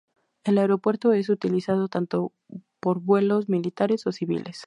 El aeropuerto es utilizado tanto por vuelos militares o civiles.